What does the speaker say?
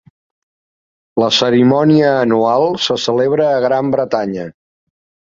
La cerimònia anual se celebra a Gran Bretanya.